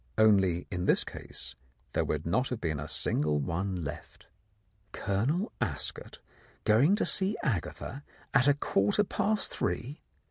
Only in this case there would not have been a single one left. Colonel Ascot going to see Agatha at a quarter past three. ..